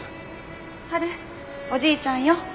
ハルおじいちゃんよ。